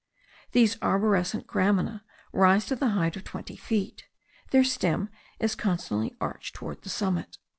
These arborescent gramina rise to the height of twenty feet; their stem is constantly arched towards the summit.